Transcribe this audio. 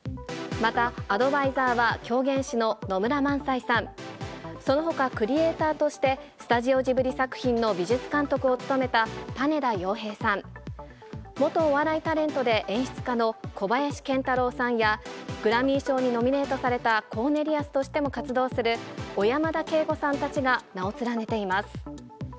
また、アドバイザーは狂言師の野村萬斎さん、そのほかクリエーターとして、スタジオジブリ作品の美術監督を務めた種田陽平さん、元お笑いタレントで演出家の小林賢太郎さんや、グラミー賞にノミネートされたコーネリアスとしても活躍する小山田圭吾さんたちが名を連ねています。